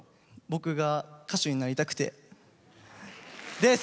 僕が歌手になりたくてです。